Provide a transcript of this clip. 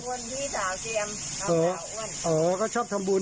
พี่สาวเจียมสาวสาวอ้วนอ๋อก็ชอบทำบุญ